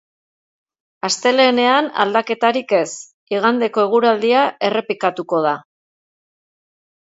Astelehenean aldaketarik ez, igandeko eguraldia errepikatuko da.